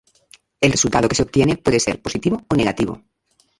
El resultado que se obtiene puede ser positivo o negativo.